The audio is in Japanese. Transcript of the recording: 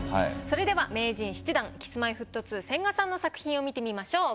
それでは名人７段Ｋｉｓ−Ｍｙ−Ｆｔ２千賀さんの作品を見てみましょう。